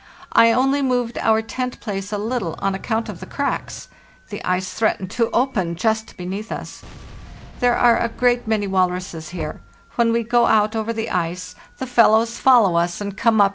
I only moved our tent place a little on account of the cracks; the ice threatened to open just beneath us. There area great many walruses here. When we go out over the ice the fellows follow us and come up in IIl.